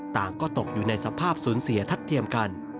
ก็ตกอยู่ในสภาพสูญเสียทัดเทียมกัน